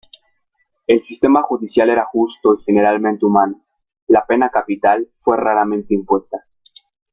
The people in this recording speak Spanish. El sistema judicial era justo y generalmente humano; la pena capital fue raramente impuesta.